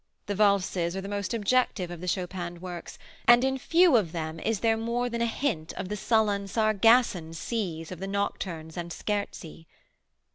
The valses are the most objective of the Chopin works, and in few of them is there more than a hint of the sullen, Sargasson seas of the nocturnes and scherzi.